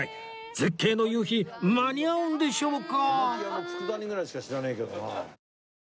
絶景の夕日間に合うんでしょうか！？